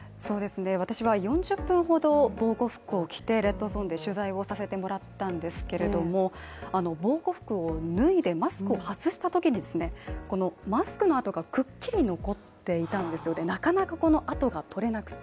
私は４０分ほど防護服を着てレッドゾーンで取材をさせてもらったんですけれども、あの防護服を脱いでマスクを外したときにですね、このマスクの跡がくっきり残っていたんですよねなかなかこの痕が取れなくて。